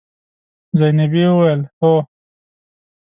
زينبې وويل: هو.